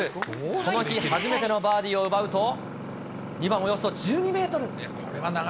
この日初めてのバーディーを奪うと、２番、およそ１２メートル。